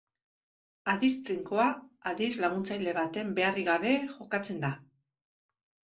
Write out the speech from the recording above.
Aditz trinkoa aditz laguntzaile baten beharrik gabe jokatzen da.